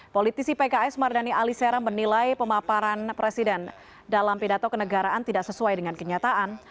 politisi pks mardani alisera menilai pemaparan presiden dalam pidato kenegaraan tidak sesuai dengan kenyataan